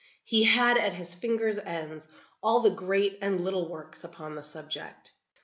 He had at his fingers' ends all the great and little works upon the subject.